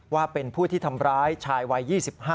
ว่าเป็นผู้ที่ทำร้ายชายวัย๒๕